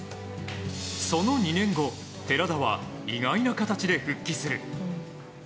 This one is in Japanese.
その２年後寺田は意外な形で復帰する。